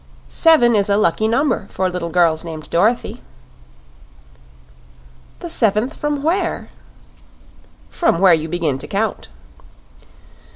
"Seven is a lucky number for little girls named Dorothy." "The seventh from where?" "From where you begin to count."